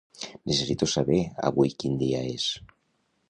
Necessito saber avui quin dia és.